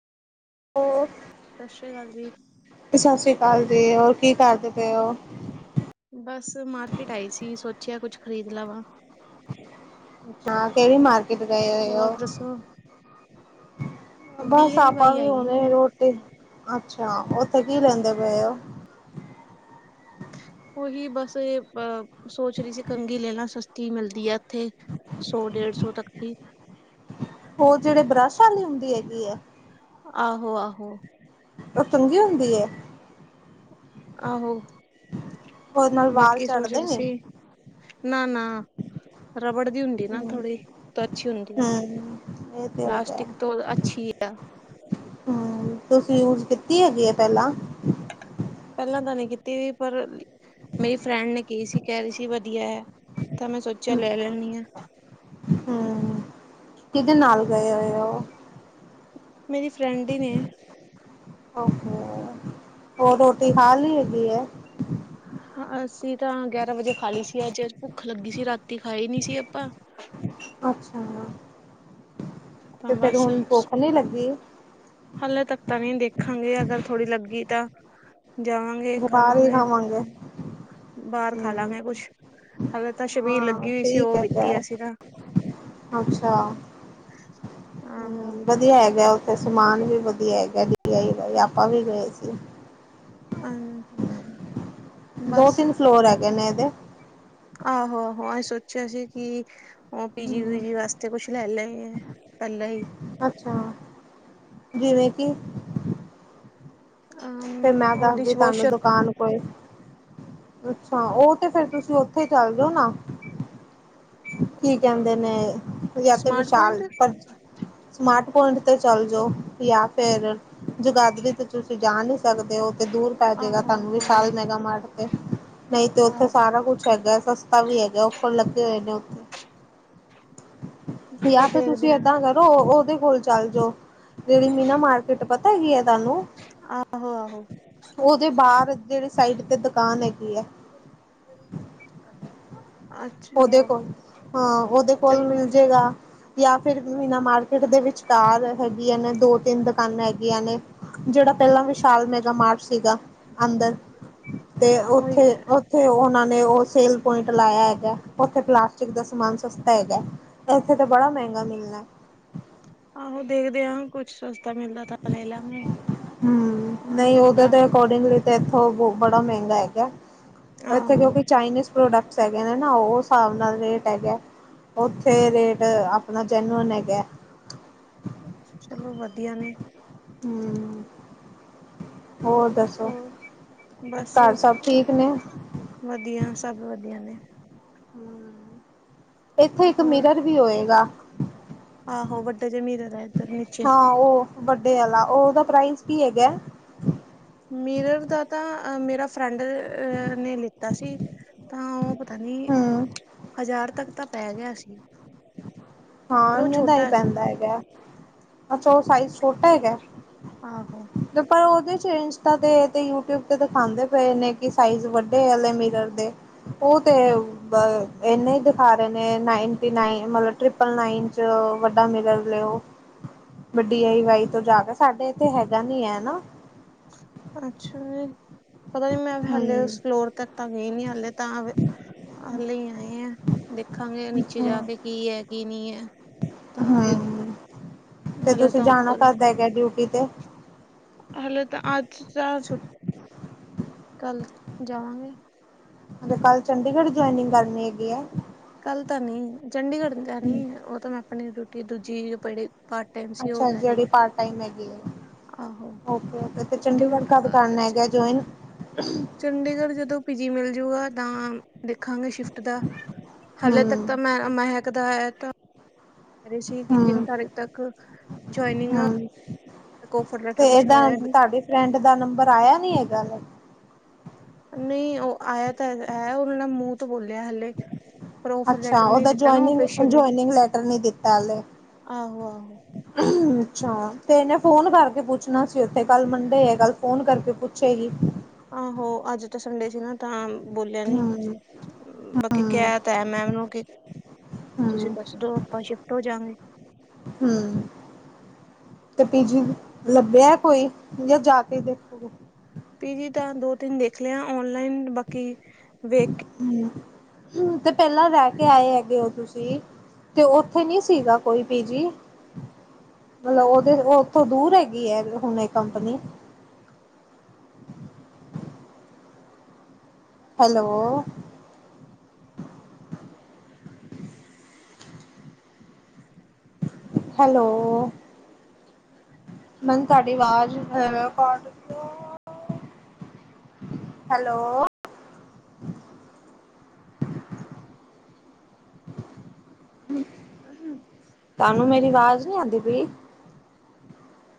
ਹੋ। ਸਾਸ ਸ੍ਰੀ ਕਾਲ ਜੀ। ਸਾਸੀ ਕਾਲ ਜੀ, ਹੋਰ ਕੀ ਕਰਦੇ ਪਏ ਓ? ਬਸ ਮਾਰਕੀਟ ਆਈ ਸੀ ਸੋਚਿਆ ਕੁਛ ਖ਼ਰੀਦ ਲਵਾਂ। ਹਾਂ, ਕਿਹੜੀ ਮਾਰਕਿਟ ਗਏ ਹੋਏ ਹੋਰ ਓ? ਦੱਸੋ ਡੀ ਬਸ ਆਈ ਆਪਾਂ ਵਾਈ ਵੀ ਆਈਆਂ ਹੋਣੇ ਨੀ ਆ ਰੋਟੀ ਅੱਛਾ, ਉਥੇ ਕੀ ਲੈਂਦੇ ਪਏ ਓ? ਉਹੀ ਬਸ ਇਹ ਅਹ ਸੋਚ ਰਈ ਸੀ ਕੰਘੀ ਲੈਲਾ ਸਸਤੀ ਮਿਲਦੀ ਆ ਇੱਥੇ। ਸੌ ਡੇਢ ਸੌ ਤੱਕ ਦੀ। ਵੀ ਹੈਗੀ ਆ। ਆਹੋ- ਆਹੋ ਉਹ ਚੰਗੀ ਹੁੰਦੀ ਏ। ਆਹੋ ਨਾਲ ਵਾਲ ਬਾਕੀ ਸੋਚ ਝੜਦੇ ਰੀ ਨੇ? ਸੀ। ਨਾ-ਨਾ ਰਬੜ ਦੀ ਹੁੰਦੀ ਨਾ ਹਮ ਥੋੜੀ ਤ ਅੱਛੀ ਹੁੰਦੀ ਐ। ਹਮ ਇਹ ਤੇ ਹੈਗਾ ਪਲਾਸਟਿਕ ਤੋਂ ਅੱਛੀ ਆ। ਹਮ ਤੁਸੀਂ ਯੂਜ ਕੀਤੀ ਹੈਗੀ ਐ ਪਹਿਲਾਂ। ਤੇ ਪਰ ਮੇਰੀ ਫਰੈਂਡ ਨੇ ਕਈ ਸੀ ਕਹਿ ਰਈ ਸੀ ਵਦੀਆ ਐ। ਤਾਂ ਮੈਂ ਸੋਚਿਆ ਲੈ ਲੈਣੀ ਆ। ਹੂੰ ਕਿਹਦੇ ਨਾਲ ਗਏ ਹੋਏ ਓ। ਮੇਰੀ ਫਰੈਂਡ ਹੀ ਨੇ। ਹੋਰ ਰੋਟੀ ਖਾਲੀ ਹੈਗੀ ਐ। ਹਾ, ਅਸੀਂ ਤਾਂ ਗਿਆਰਾਂ ਵਜੇ ਖਾ ਲਈ ਸੀ ਅੱਜ, ਭੁੱਖ ਲੱਗੀ ਸੀ ਰਾਤੀ ਖਾਈ ਨੀ ਸੀ ਆਪਾਂ। ਅੱਛਾ ਤਾਂ ਤੇ ਫੇਰ ਹੁਣ ਭੋਖ ਨੀ ਲੱਗੀ। ਹਲੇੇ ਤੱਕ ਤਾਂ ਨਹੀਂ ਦੇਖਾਂਗੇ ਅਗਰ ਥੋੜੀ ਲੱਗੀ ਤਾਂ ਬਾਹਰ ਹੀ ਜਾਵਾਂਗੇ-ਖਾਵਾਂਗੇ। ਖਾਵਾਂਗੇ ਬਾਹਰ ਖਾ ਹਮ ਲਾਂਗੇ ਕੁੱਛ ਹਾਲੇ ਤਾਂ ਸ਼ਬੀਲ ਹਾਂ ਲੱਗੀ ਓਈ ਸੀ ਠੀਕ ਉਹ ਹੈਗਾ ਪੀਤੀ ਅਸੀਂ ਤਾਂ ਅੱਛਾ ਆਹੋ ਹੂੰ ਵਦੀਆ ਹੈਗਾ ਸਮਾਨ ਵੀ ਵਦੀਆ ਹੈਗਾ [unintelligible] ਬਾਈ ਅਪਾਂ ਵੀ ਗਏ ਸੀ। [unintelligible] ਦੋ ਬਸ ਤਿੰਨ ਫਲੋਰ ਹੈਗੇ ਨੇ ਇਹਦੇ। ਆਹੋ- ਆਹੋ ਅਸੀਂ ਸੋਚਿਆ ਸੀ ਕਿ ਉਹ ਪੀਜੀ ਹਮ ਪੂਜੀ ਵਾਸਤੇ ਕੁਛ ਲੈ ਲੈ ਐ ਪੈਲਾਂ ਈ ਅੱਛਾ ਜਿਵੇਂ ਕਿ ਅ ਫੇਰ ਮੈਂ ਉਹ ਦੱਸਦੀ ਤੁਆਨੂ ਡਿਸ਼ਵੋਸ਼ਰ ਦੁਕਾਨ ਕੋਈ ਅੱਛਾ ਉਹ ਤੇ ਫੇਰ ਤੁਸੀਂ ਉੱਥੇ ਚੱਲ ਜੋ ਨਾ ਕੀ ਕਹਿੰਦੇ ਨੇ ਯਾ ਤੇ ਸਮਾਰਟ ਪੁਆਇੰਟ ਵਿਸ਼ਾਲ ਪਰ ਸਮਾਰਟ ਪੁਆਇੰਟ ਤੇ ਚੱਲ ਜੋ ਯਾਂ ਫੇਰ ਜਗਾਦਰੀ ਤੇ ਤੁਸੀਂ ਜਾ ਨਹੀਂ ਸਕਦੇ ਓ ਤੇ ਦੂਰ ਪੈ ਜੇਗਾ ਆਹੋ ਤੁਆਨੂ ਆਹੋ ਵਿਸ਼ਾਲ ਮੇਗਾ ਮਾਰਟ ਤੇ, ਨਹੀਂ ਤੇ ਉੱਥੇ ਆਹੋ ਸਾਰਾ ਕੁੱਛ ਹੈਗਾ ਸਸਤਾ ਵੀ ਹੈਗਾ ਉਪਰ ਲੱਗੇ ਹੋਏ ਨੇ ਚਲੋ ਯਾ ਫਿਰ ਦੇਖਦੇ ਤੁਸੀਂ ਹ ਏਦਾਂ ਕਰੋ। ਉਹਦੇ ਬੋਲ- ਚੱਲ ਜੋ ਜਿਹੜੀ ਮੀਨਾ ਮਾਰਕੀਟ ਪਤਾ ਹੈਗੀ ਹੈ। ਤੁਨੂੰ ਆਹੋ ਆਹੋ ਉਹਦੇ ਬਾਹਰ ਜਿਹੜੇ ਸਾਈਡ ਤੇ ਦੁਕਾਨ ਹੈਗੀ। [unintelligible] ਉਹਦੇ ਅੱਛਾ ਕੋਲ, ਹਾਂ। ਉਹਦੇ ਕੋਲ ਚਲੋ ਮਿਲ ਜੇਗਾ। ਜਾਂ ਫਿਰ ਬਿਨਾਂ ਮਾਰਕੀਟ ਦੇ ਵਿਚਕਾਰ ਹੈਗੀਆਂ ਨੇ ਦੋ -ਤਿੰਨ ਦੁਕਾਨਾਂ ਹੈਗੀਆਂ ਨੇ। ਜਿਹੜਾ ਪਹਿਲਾਂ ਵਿਸ਼ਾਲ ਮੈਗਾ ਮਾਰਟ ਸੀਗਾ। ਅੰਦਰ ਤੇ ਉਹੀ ਉੱਥੇ- ਉੱਥੇ ਤੇ ਉਹਨਾਂ ਨੇ ਉਹ ਸੇਲ ਪੁਆਇੰਟ ਲਾਇਆ ਹੈਗਾ। ਉੱਥੇ ਪਲਾਸਟਿਕ ਦਾ ਸਮਾਨ ਸਸਤਾ ਹੈਗਾ। ਇੱਥੇ ਤਾਂ ਬੜਾ ਮਹਿੰਗਾ ਮਿਲਣਾ ਹੈ। ਆਹੋ ਦੇਖਦੇ ਹਾਂ। ਕੁੱਛ ਸ ਮਿਲਦਾ ਤਾਂ ਲੈ ਲਾਂਗੇ। ਉਨਾਂ ਦਾ ਤੇ ਇੱਥੋਂ ਬ ਬੜਾ ਮਹਿੰਗਾ ਹੈਗਾ। ਇੱਥੇ ਆਹੋ ਕਿਉਂਕਿ ਚਾਈਨੀਜ਼ ਪ੍ਰੋਡਕਟਸ ਹੈਗੇ ਨੇ ਨਾ ਉਹ ਹਿਸਾਬ ਨਾਲ ਰੇਟ ਹੈਗੇ। ਉੱਥੇ ਰੇਟ ਆਪਣਾ ਜੈਨੂਅਨ ਹੈਗਾ। ਚਲੋ ਵਧੀਆ ਨੇ। ਹਮ। ਹੋਰ, ਬਸ, ਘਰ ਸਭ ਠੀਕ ਨੇ? ਵਧੀਆ ਸਭ ਵਧੀਆ ਨੇ। ਹਮ। ਇੱਥੇ ਇੱਕ ਹੋਰ ਮਿਰਰ ਵੀ ਹੋਏਗਾ। ਆਹੋ ਵੱਡੇ ਜਮੀਰੇ ਵਾਲੇ ਏਦਰ ਨੀਚੇ। ਡੇ ਵਾਲਾ ਉਹ ਉਹਦਾ ਪ੍ਰਾਈਜ਼ ਕੀ ਹੈਗਾ। ਮੀਰਰ ਦਾ ਤਾਂ ਮੇਰਾ ਫਰੈਂਡ ਨੇ ਲਿੱਤਾ ਸੀ। ਤਾਂ ਉਹ ਪਤਾ ਨੀ, ਹੂੰ ਹਜ਼ਾਰ ਤੱਕ ਤਾਂ ਪੈ ਗਿਆ ਸੀ। ਪਰ ਹਾਂ, ਉਹ ਏਨੇ ਦਾ ਹੀ ਛੋਟਾ ਸੀ ਪੈਂਦਾ ਹੈਗਾ। ਅੱਛਾ ਉਹ ਸਾਈਜ ਛੋਟਾ ਹੈਗਾ। ਆਹੋ ਤੇ ਪਰ ਉਹਦੇ ਚ ਇੰਸਟਾ ਤੇ ਯੂਟਿਊਬ ਤੇ ਖਾਂਦੇ ਪਏ ਨੇ ਕਿ ਸਾਈਜ਼ ਵੱਡੇ ਵਾਲੇ ਮਿਲਨ ਗਏ। ਉਹ ਤੇ ਇਨੇ ਸਖਾ ਰਹੇ ਨੇ ਨਾਈਨਟੀ- ਨਨ ਮਤਲਬ ਟ੍ਰਿਪਲ ਨਾਈਨ ਚ ਵੱਡਾ ਮਿਲਰ ਲਓ। ਵੱਡੀ ਆਈ ਵਈ ਤੋਂ ਜਾ ਕੇ ਸਾਡੇ ਇੱਥੇ ਹੈਗਾ ਨੀ ਹੈ ਨਾ। ਅੱਛਾ। ਪਤਾ ਨੀ ਮੈਂ ਹੂੰ ਹਲੇੇ ਉਸ ਫਲੋਰ ਤੇ ਤਾਂ ਗਈ ਨੀ ਹਲੇ ਤਾਂ ਕਲ ਹੀ ਆਏ ਆ। ਦੇਖਾਂਗੇ ਨੀਚੇ ਅੱਛਾ। ਜਾ ਕੇ ਕੀ ਹੈ। ਕੀ ਨਹੀਂ ਹੈ। ਤਾਂ ਫਿਰ ਹਮ ਤੇ ਹਾਲੇ ਤੁਸੀਂ ਤਾਂ ਜਾਣਾ ਉਪਰ, ਕਦ ਹੈਗਾ ਡਿਊਟੀ ਤੇ ਹਾਲ ਤਾਂ ਅੱਜ ਚ ਛੁ ਕੱਲ ਜਾਵਾਂਗੇ। ਕੱਲ ਚੰਡੀਗੜ੍ਹ ਜੁਆਇਨਿੰਗ ਕਰਨੀ ਹੈਗੀ ਆ। ਕੱਲ ਤਾਂ ਨੀ, ਚੰਡੀਗੜ੍ਹ ਜਾਨੀ ਉਹ ਤਾਂ ਮੈਂ ਆਪਣੀ ਰੋਟੀ ਦੂਜੀ ਰਪੜ ਅੱਛਾ ਜਿਹੜੀ ਪਾਰਟ ਟਮ ਹੈਗੀ ਆ। ਆ ਆਹੋ ਓਕੇ- ਓਕੇ ਤੇ ਡਿਊ ਚੰਡੀਗੜ੍ਹ ਕੱਦ ਕਰਨਾ ਹੈਗਾ ਜੋਇਨ। ਚੰਡੀਗੜ੍ਹ ਜਦੋਂ ਪੀਜੀ ਮਿਲ ਜੂਗਾ ਤਾਂ ਦੇਖਾਂਗੇ ਸ਼ਿਫਟ ਦਾ। ਹਾਲੇ ਤੱਕ ਤਾਂ ਹਮ ਮੈਂ ਮਹਿਕ ਦਾ ਹੈ ਤਾਂ ਕਹਿ ਰਹੇ ਸੀ। ਕਿ ਤਿੰਨ ਹਮ ਤਾਰੀਖ ਤੱਕ ਜੁਆਇਨਿੰਗ ਹਮ ਆਫਰ ਤੇ ਲੈਟਰ ਕੁਛ ਇਹਦਾ ਆਇਆ ਨਹੀਂ ਤੁਹਾਡੇ ਫਰੈਂਡ ਦਾ ਨੰਬਰ ਆਇਆ ਵੀ ਹੇਗਾ ਵੇ। ਨਹੀਂ ਓਹ ਆਇਆ ਤਾਂ ਹੈ ਉਨੇ ਨਾ ਮੂੰਹ ਤੋਂ ਬੋਲਿਆ ਹਲੇ। ਪਰ ਔਫਰ ਅੱਛਾ। ਲੈਟਰ ਨਹੀਂ ਓਦਾ ਦਿੱਤਾ ਨਾ ਜੋਇਨਿੰਗ- ਓਫੀਸ਼ਲੀ ਜੋਇਨਿੰਗ ਲੈਟਰ ਨੀ ਦਿਤਾ ਹਲੇ। ਆਹੋ-ਆਹੋ। ਹੂੰ। ਅੱਛਾ। ਤੇ ਏਨੇ ਫੋਨ ਕਰਕੇ ਪੁੱਛਣਾ ਸੀ ਓਥੇ, ਕੱਲ ਮੰਡੇ ਏ ਕੱਲ ਫੋਨ ਕਰਕੇ ਪੁੱਛੇਗੀ। ਆਹੋ! ਅੱਜ ਤਾਂ ਸੰਡੇ ਸੀ ਨਾ, ਤਾਂ ਬੋਲਿਆ ਨੀ। ਹਮ ਬਾਕੀ ਕੈ ਹਮ ਤੈ ਮੈ ਔਨੂੰ ਕਿ ਤੁਸੀਂ ਹਮ ਦੱਸ ਦੋ ਅਪਾਂ ਸ਼ਿਫਟ ਹੋ ਜਾਗੇ। ਹੂੰ। ਤੇ ਪੀ ਜੀ ਲੱਭਿਆ ਕੋਈ, ਯਾ ਜਾ ਕੇ ਦੇਖੋਗੇ? ਪੀ ਜੀ ਤਾਂ ਦੋ ਤਿੰਨ ਦੇਖ ਲੇਆ ਔਨਲਾਈਨ, ਬਾਕੀ ਵੇਖ ਕੇ ਤੇ ਪੈਲਾਂ ਰੈ ਕੇ ਆਏ ਹੈਗੇ ਔ ਤੁਸੀਂ। ਤੇ ਉੱਥੇ ਨੀ ਸੀਗਾ ਕੋਈ ਪੀਜੀ। ਮਤਲਬ ਔਦੇ ਔਥੋਂ ਦੂਰ ਹੈਗੀ ਐਂ ਹੁਣ ਏ ਕੰਪਨੀ? [inaudible] ਹੈਲੋ। ਹੈਲੋ। ਮੈਨ ਤਾਡੀ ਵਾਜ਼ ਅ ਘੱਟ ਕਿਓਂ ਹੈਲੋ। ਤੁਾਨੂੰ ਮੇਰੀ ਵਾਜ਼ ਨੀ ਆੰਦੀ ਪੀ।